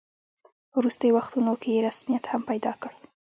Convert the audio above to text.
په وروستیو وختونو کې یې رسمیت هم پیدا کړ.